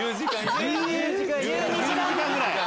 １２時間ぐらい。